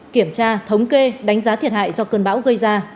kiểm tra thống kê đánh giá thiệt hại do cơn bão gây ra